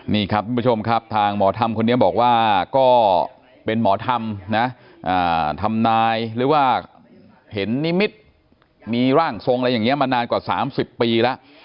นี่ครับคุณผู้ชมครับทางหมอธรรมคนนี้บอกว่าก็เป็นหมอธรรมนะทำนายหรือว่าเห็นนิมิตรมีร่างทรงอะไรอย่างนี้มานานกว่า๓๐ปีแล้ว